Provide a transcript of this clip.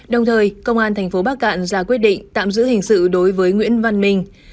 đồng thời công an thành phố bắc cạn ra quyết định tạm giữ hình sự đối với nguyễn văn minh